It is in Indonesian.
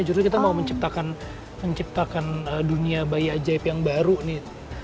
jujur kita mau menciptakan dunia bayi ajaib yang baru nih